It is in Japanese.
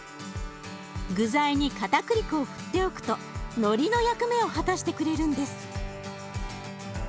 具材にかたくり粉を振っておくとのりの役目を果たしてくれるんです。